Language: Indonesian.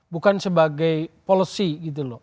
bukan sebagai policy gitu loh